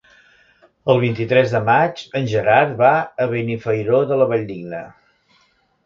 El vint-i-tres de maig en Gerard va a Benifairó de la Valldigna.